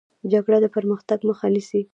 جګړه د پرمختګ مخه نیسي